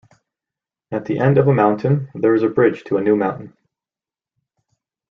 At the end of a mountain, there is a bridge to a new mountain.